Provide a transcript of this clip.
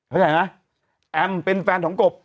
เข้าใจไหมแอมเป็นแฟนของกบ